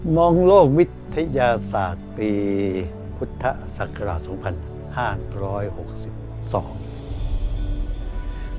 มองโลกวิทยาศาสตร์ปีพุทธศักราช๒๕๖๒